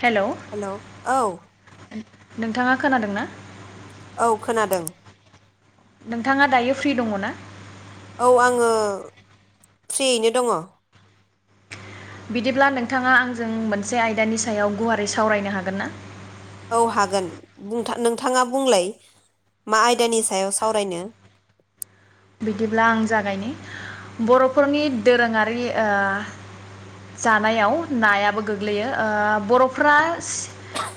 Hello hello औ नोंथाङा खोनादों ना? औ खोनादों। नोंथाङा दायो फ्रि दङ' ना? औ आङो फ्रियैनो दङ। बिदिब्ला नोंथाङा आंजों मोनसे आयदानि सायाव गुवारै सावरायनो हागोन ना? औ हागोन बुंथा -नोंथाङा बुंलाय मा आयदानि सायाव सावरायनो। बिदिब्ला आं जागायनि बर'फोरनि दोरोङारि ओह जानायाव नायाबो गोग्लैयो ओ बर'फ्रास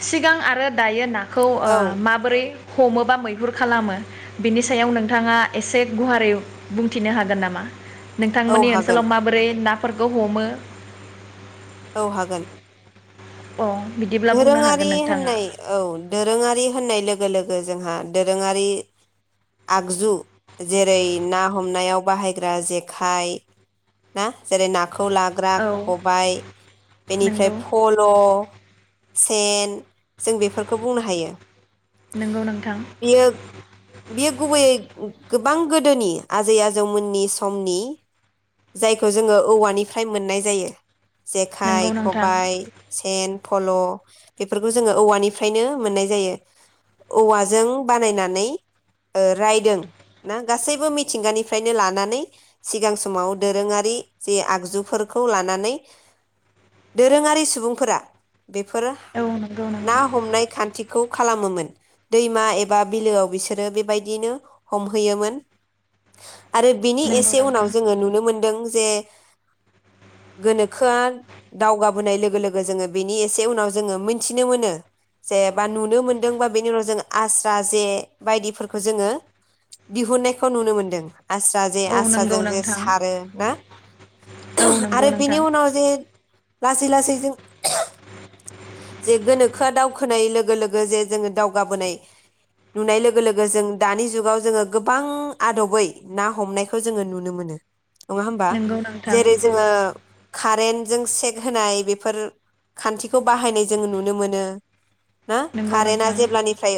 सिगां आरो दायो ना [unintelligible] ओ औ माबोरै हमो बा मैहुर खालामो बेनि सायाव नोंथाङा एसे गुहारै बुंथिनो हागोन नामा? औ नोंथांमोननि हागोन ओनसोलाव माबोरै ना [unintelligible] हमो औ हागोन। अ बिदिब्ला बुंनो दोरोङारि हागोन नोंथाङा होननाय औ दोरोङारि होननाय लोगो लोगो जोंहा दोरोङारि आगजु जेरै ना हमनायाव बाहायग्रा जेखाय ना जेरै [unintelligible] लाग्रा औ खबाय बेनिफ्राय नंगौ फल' सेन जों बेफोरखौ बुंनो हायो नंगौ नोंथां बियो -बियो गुबैयै गोबां गोदोनि आजै आजौमोननि समनि जायखौ जोङो औवानिफ्राय मोननाय जायो। जेखाइ, नंगौ नोंथां खबाय, सेन फल' बेफोरखौ जोङो औवानिफ्रायनो मोननाय जायो औवाजों बानायनानै रायदों ना गासैबो मिथिंगानिफ्रायनो लानानै सिगां समाव दोरोङारि जे आगजुफोरखौ लानानै दोरोङारि सुबुंफोरा बेफोरो औ नंगौ ना नोंथां हमनाय खान्थिखौ खालामोमोन दैमा एबा बिलोआव बिसोरो बेबायदिनो हमहैयोमोन। आरो बिनि नंगौ एसे उनाव नोंथां जोङो नुनो मोनदों जे गोनोखोआ दावगाबोनाय लोगो लोगो जोङो बेनि एसे उनाव जोङो मोनथिनो मोनो जे बा नुनो मोनदों बा बेनि उनाव जों आस्रा जे बायदिफोरखौ जोङो दिहुननायखौ नुनो मोनदों। आस्रा जे औ नंगौ आस्राजों जे नोंथां सारो ना औ नंगौ आरो बेनि नोंथां उनाव जे लासै लासै जों [unintelligible] जे गोनोखोआ दावखोनाय लोगो लोगो जे जोङो दावगाबोनाय नुनाय लोगो लोगो जों दानि जुगाव जोङो गोबां आदबै ना हमनायखौ जोङो नुनो मोनो। नङा होमबा नंगौ नोंथां जेरै जोङो कारेन्ट जों सेक होनाय बेफोर खान्थिखौ बाहायनाय। जों नुनो मोनो। ना नंगौ कारेन्टा नोंथां जेब्लानिफ्राय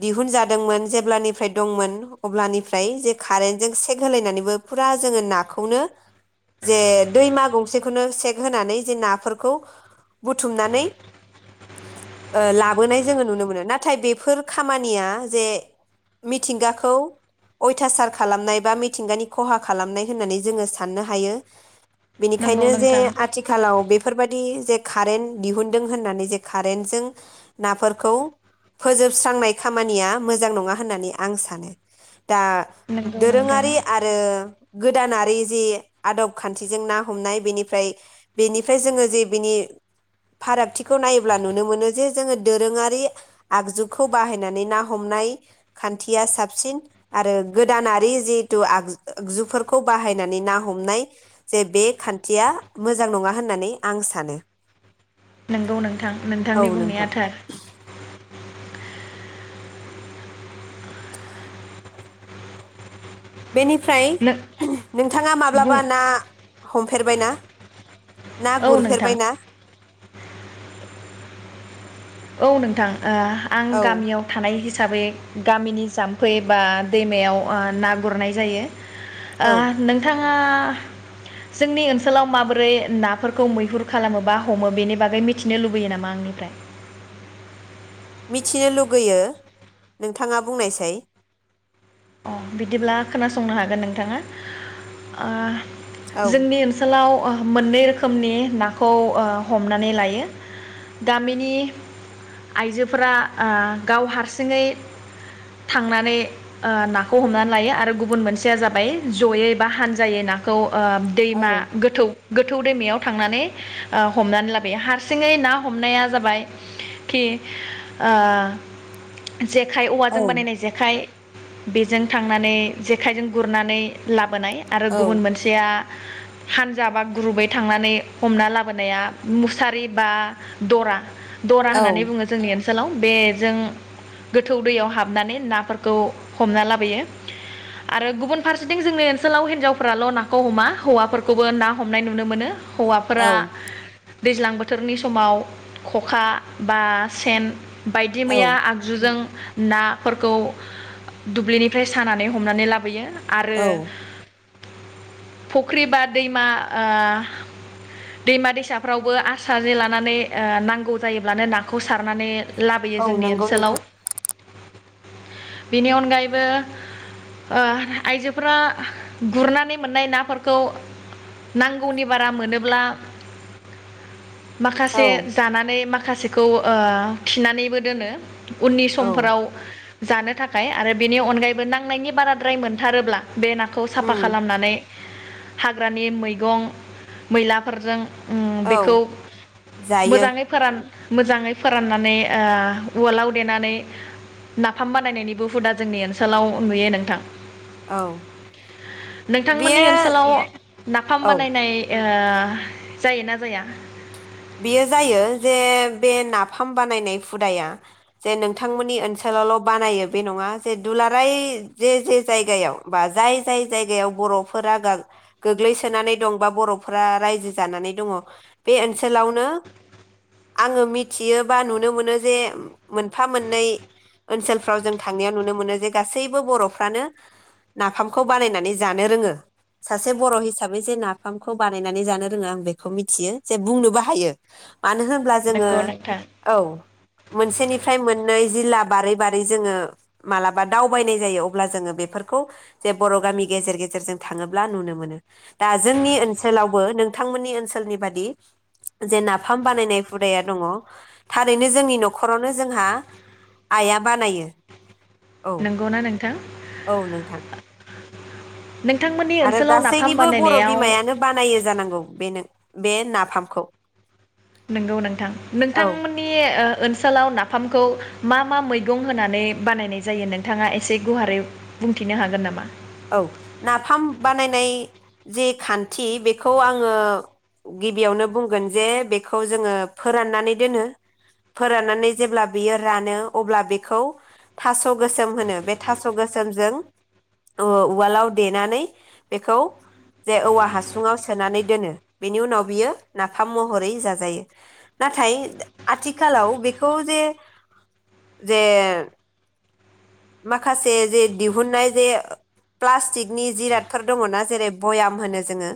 दिहुनजादोंमोन जेब्लानिफ्राय दंमोन अब्लानिफ्राय जे कारेन्टजों सेक होलायनानैबो फुरा जोङो नाखौनो जे दैमा गंसेखौनो सेक होनानै जे नाफोरखौ बुथुमनानै ओ लाबोनाय जोङो नुनो मोनो नाथाय बेफोर खामानिया जे मिथिंगाखौ अयथासार खालामनाय बा मिथिंगानि खहा खालामनाय होननानै जोङो साननो हायो। नंगौ बेनिखायनो जे नोंथां आथिखालाव बेफोरबायदि जे खारेन्ट दिहुन दों होननानै जे कारेन्ट जों नाफोरखौ फोजोबस्रांनाय खामानिया मोजां नङा होननानै आं सानो। दा नंगौ नोंथां दोरोङारि आरो गोदानारि जे आदब खान्थिजों ना हमनाय बेनिफ्राय बेनिफ्राय जोङो जे बिनि फारागथिखौ नायोब्ला नुनो मोनो जे जोङो दोरोङारि आगजुखौ बाहायनानै ना हमनाय खान्थिया साबसिन आरो गोदानारि जिहेथु आग आगजुफोरखौ बाहायनानै ना हमनाय जे बे खान्थिया मोजां नङा होननानै आं सानो। नोंगौ नोंथां औ नोंथांनि बुंनाया नोंथां थार। बेनिफ्राय नों नोंथाङा बुं माब्लाबा ना हमफेरबाय ना? ना औ नोंथां गुरफेरबायना? औ नोंथां। ओ आं औ गामियाव थानाय हि साबै गामिनि जाम्फै बा दैमायाव ओ ना गुरनाय जायो । औ ओ नोंथां ओ जोंनि ओनसोलाव माबोरै नाफोरखौ मैहुर खालामो बा हमो बेनि बागै मिथिनो लुबैयो नामा आंनिफ्राय? मिथिनो लुगैयो नोंथाङा बुंनायसाय अ बिदिब्ला खोनासंनो हागोन नोंथाङा आ औ जोंनि ओनसोलाव ओ मोननै रोखोमनि नाखौ ओ हमनानै लायो गामिनि आइजोफोरा ओ गाव हारसिङै थांनानै ओ ना खौ हमनानै लायो आरो गुबुन मोनसेया जाबाय जयै ओ औ दैमा गोथौ गोथौ दैमायाव थांनानै ओ हमनानै लाबोयो हारसिङै ना हमनाया जाबाय खि ओ जेखाइ औ औवाजों बानायनाय जेखाइ बेजों थांनानै जेखाइजों गुरनानै लाब बोनाय आरो औ गुबुन मोनसेया हानजा बा ग्रुबै थांनानै हमना लाबोनाया मुसारि बा द'रा द'रा होननानै औ बुङो जोंनि ओनस सोलाव बेजों गोथौ दैयाव हाबनानै नाफोरखौ हमना लाबोयो आरो गुबुन फारसेथिं जोंनि ओनसोलाव हिनजावफोराल' नाखौ हमा हौवाफोरखौबो ना हमनाय नुनो मोनो । हौवाफोरा औ दैज्लां बोथोरनि समाव ख'खा बा सेन बायदि मैया औ आगजुजों नाफोरखौ दुब्लिनिफ्राय सानानै हमनानै लाबोयो । आरो औ फुख्रि बा दैमा ओ दैमा दैसाफ्रावबो आस्रा जे लानानै ओ नांगौ जायोब्लानो नाखौ सारनानै लाबोयो औ जोंनि नंगौ ओनसोलाव नोंथां । बेनि अन गायैबो ओ आइजोफोरा गुरनानै मोननाय नाफोरखौ नांगौनि बारा मोनोब्ला औ माखासे जानानै माख खासेखौ ओ खिनानैबो दोनो । उननि औ समफोराव जानो थाखाय आरो बेनि अनगायैबो नांनायनि बाराद्राय मोनथारोब्ला बे नाखौ साफा उम खालामनानै हाग्रानि मैगं मैलाफोरजों ओम बेखौ औ जायो मोजाङै फोरान मोजाङै फोराननानै ओ उवालाव देनानै नाफाम बानायनायनिबो हुदा जोंनि ओनसोलाव नुयो नोंथां । औ नोंथांमोननि ओनसोलाव बेयो नाफाम औ बानायनाय ओ जायो ना जाया? बियो जायो जे बे नाफाम बानायनाय हुदाया जे नोंथांमोननि ओनसोलावल' बानायो बे नङा जे दुलाराय जे जे जायगायाव बा जाय जाय जायगायाव बर'फोरा गाग-गोग्लैसोनानै दं बा बर'फोरा रायजो जानानै दङ बे ओनसो सोलावनो आङो मिथियो बा नुनो मोनो जे मोनफा मोननै ओनसोलफ्राव जों थांनायाव नुनो मोनो जे गासैबो बर'फ्रानो नाफामखौ बानायनानै जानो रोङो सासे बर' हिसाबै जे नाफामखौ बानायनानै जानो रोङो आं बेखौ मिथियो जे बुंनोबो हायो । मानो होनब्ला जोङो नंगौ नोंथां औ मोनसेनिफ्राय मोननै जिल्ला बारै बारै जोङो मालाबा दावबायनाय जायो अब्ला जोङो बेफोरखौ जे बर' गामि गेजेर गेजेरजों थाङोब्ला नुनो मोनो दा जोंनि ओनसोलावबो नोंथांमोननि ओनसोलनि बादि जे नाफाम बानायनाय हुदाया दङ थारैनो जोंनि न'खरावनो जोंहा आइआ बानायो । नंगौना नोंथां? नोंथां नोंथांमोननि आरो ओनसोलाव नाफाम गासैनिबो बर' बानायनायाव बिमायानो बानायो जानांगौ बेनो। बे नाफामखौ। नंगौ नोंथां औ नोंथांमोननि ओ ओनसोलाव नाफामखौ मा मा मैगं होनानै बानायनाय जायो नोंथाङा एसे गुवारै बुंथिनो हागोन नामा? जि खान्थि बेखौ आङो गिबियावनो बुंगोन जे बेखौ जोङो फोराननानै दोनो फोराननानै जेब्ला बियो रानो अब्ला बेखौ थास' गोसोम होनो बे थास' गोसोमजों ओ उवालाव देनानै बेखौ जे औवा हासुङाव सोनानै दोनो बेनि उनाव बियो नाफाम महरै जाजायो नाथाय आथिखालाव बेखौ जे जे माखासे जे दिहुननाय जे प्लास्टिकनि जिरादफोर दङना जेरै भयाम होनो जोङो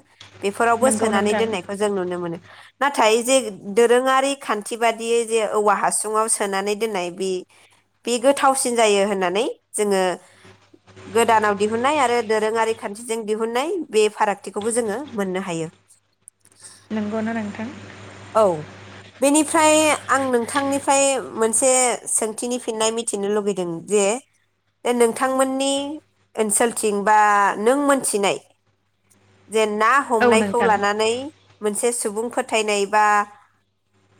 बेफोरावबो नंगौ सोनानै नोंथां दोननायखौ जों नुनो मोनो। नाथाय जे दोरोङारि खान्थि बादियै जे औवा हासुङाव सोनानै दोननाय बे बे गोथावसिन जायो होननानै जोङो गोदानाव आरो दोरोङारि खान्थिजों दिहुननाय बे फारागथिखौबो जोङो मोननो हायो। नंगौना नोंथां? औ बेनिफ्राय आं नोंथांनिफ्राय मोनसे सोंथिनि फिननाय मिथिनो लुगैदों जे नोंथांमोननि ओनसोलथिं बा नों मोनथिनाय जे ना औ हमनायखौ नोंथां लानानै मोनसे सुबुं फोथायनाय बा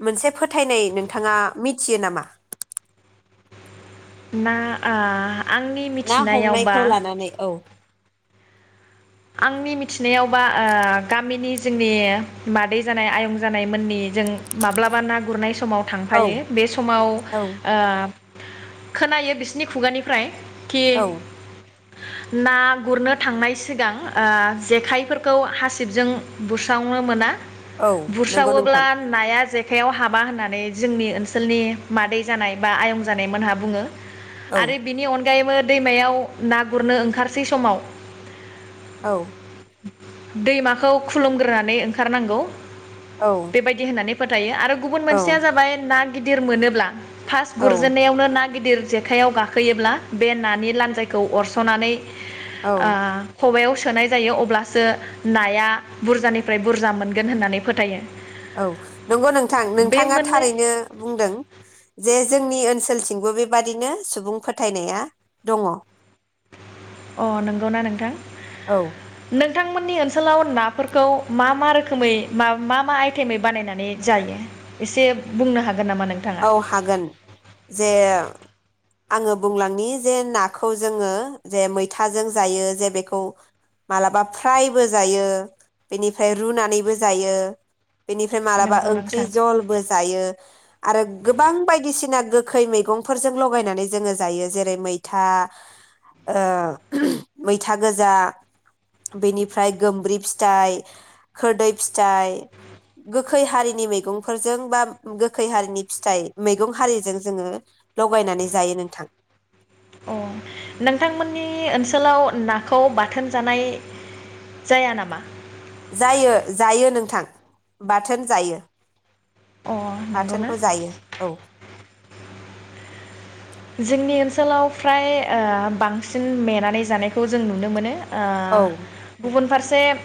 मोनसे फोथायनाय नोंथाङा मिथियो नामा? ना आ आंनि ना मिथिनायावबा हमनायखौ लानानै औ। आंनि मिथिनायावबा ओ गामिनि जोंनि मादै जानाय आयं जानायमोननि जों माब्लाबा ना गुरनाय सम समाव औ थांफायो बे समाव औ ओ खोनायो बिसिनि खुगानिफ्राय खि औ ना गुरनो थांनाय सिगां ओ जेखाइफोरखौ हासिबजों बुस्रावनो मोना औ नंगौ बुस्रावोब्ला नोंथां नाया जे आखाइायाव हाबा होननानै जोंनि ओनसोलनि मादै जानाय बा आयं जानायमोनहा बुङो। औ आरो बिनि अन यैबो दैमायाव ना गुरनो ओंखारसै समाव औ। दैमाखौ खुलुमग्रोनानै ओंखारनांगौ। औ बेबायदि होननानै फोथायो आरो गुबुन औ मोनसेया जाबाय ना गिदिर मोनोब्ला। फास औ गुरजेननायावनो ना गिदिर जेखाइायाव गाखोयोब्ला बे नानि लान्जायखौ अरसनानै औ आ खबाइयाव सोनाय जायो अब्लासो नाया बुरजानिफ्राय बुरजा मोनगोन होननानै फोथायो। औ नंगौ नोंथां बे नोंथाङा मोननै थारैनो बुंदों जे जोंनि ओनसोलथिंबो बेबादिनो सुबुं फोथायनाया दङ। अ नंगौना नोंथां औ नोंथांमोननि ओ नसोलाव नाफोरखौ मा मा रोखोमै मा मा आइटेमै बानायनानै जायो एसे बुंनो हागोन नामा नोंथाङा औ हागोन जे आङो बुंलांनि जे नाखौ जोङो जे मैथाजों जायो जे बेखौ मालाबा फ्रायबो जायो बेनिफ्राय रुनानैबो जायो। बेनिफ्राय मालाबा नंगौ ओंख्रि नोंथां जलबो जायो। आरो गोबां बायदिसिना गोखै मैगंफोरजों लगायनानै जोङो जायो जेरै मैथा ओ मैथा गोजा बेनिफ्राय गोमब्रि फिथाइ खोरदै फिथाइ गोखै हारिनि मैगंफोरजों बा गो खैहारिनि फिथाइ मैगं हारिजों जोङो लगायनानै जायो नोंथां। अ नोंथांमोननि ओनसोलाव नाखौ बाथोन जानाय जाया नामा? जायो जायो नोंथां बाथोन जायो। अ नंगौना बाथोनखौ जायो औ। जोंनि ओनसोलाव फ्राय ओ बांसिन नेेनानै जानायखौ जों नुनो मोनो। ओ औ गुबुन फारसे से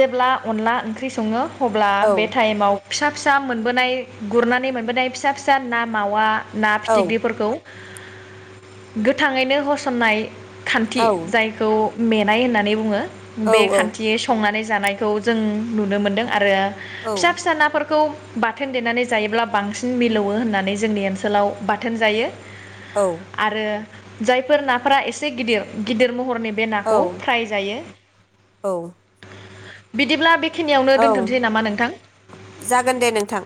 जेब्ला अनला ओंख्रि सङो। अब्ला औ बे टाइमाव फिसा फिसा मोनबोनाय गुरनानै मोनबोनाय फिसा फिसा ना मावा। ना औ फिथिख्रिफोरखौ। गोथाङैनो होसननाय खान्थि औ जायखौ मेनाय होननानै बुङो। बे औ औ खान्थि संनानै जानायखौ जों नुनो मोनदों आरो फिसा फिसा नाफोरखौ बाथोन देनानै जायोब्ला बांसिन मिलौवो होननानै जोंनि ओनसोलाव बाथोन जायो। औ आरो जायफोर नाफोरा एसे गिदिर गिदिर म हरनि बे नाखौ औ फ्राय जायो। औ बिदिब्ला बे बे खिनियावनो औ दोनथ'नोसै नामा नोंथां? जागोन दे नोंथां